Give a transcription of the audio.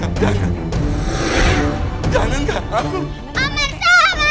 amrung kak amrung